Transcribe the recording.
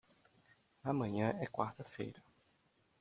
Amanhã é quarta-feira.